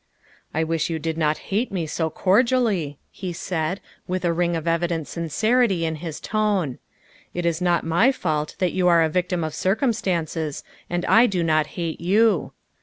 " I wish you did not hate me so cordially," he said, with a ring of evident sincerity in his voice ;'' it is not my fault that you are a victim of circumstances, and I do not hate you.